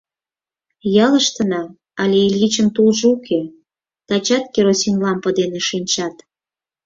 Ялыштына але Ильичын тулжо уке, тачат керосин лампе дене шинчат.